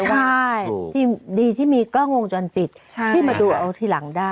ใช่ดีที่มีกล้องวงจรปิดที่มาดูเอาทีหลังได้